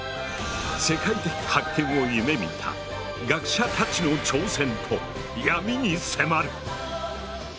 世界的発見を夢みた学者たちの挑戦と闇に迫る。